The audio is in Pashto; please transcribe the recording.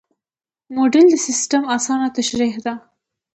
موډل د سیسټم اسانه تشریح ده.